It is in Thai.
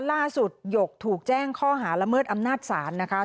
หยกถูกแจ้งข้อหาละเมิดอำนาจศาลนะคะ